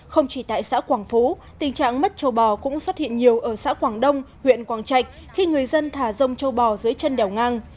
không chỉ tại xã quảng phú tình trạng mất châu bò cũng xuất hiện nhiều ở xã quảng đông huyện quảng trạch khi người dân thả rông châu bò dưới chân đèo ngang